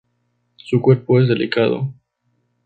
Su cuerpo es delicado.